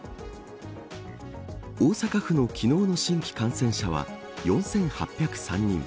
大阪府の昨日の新規感染者は４８０３人。